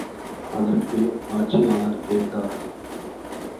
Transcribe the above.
அதற்கு ஆட்சியாளர் கேட்டார்.